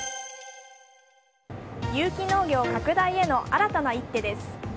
有機農業拡大への新たな一手です。